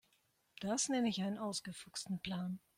Das nenne ich einen ausgefuchsten Plan.